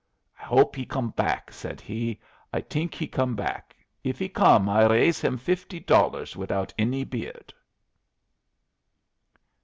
"I hope he come back," said he. "I think he come back. If he come I r raise him fifty dollars without any beard."